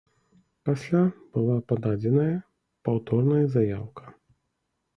Пасля была пададзеная паўторная заяўка.